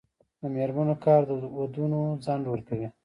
د میرمنو کار د ودونو ځنډ ورکوي.